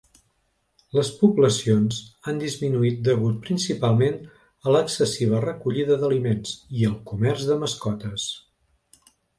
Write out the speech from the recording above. Les poblacions han disminuït degut principalment a l'excessiva recollida d'aliments i el comerç de mascotes.